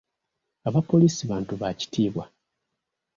Abapoliisi bantu ba kitiibwa.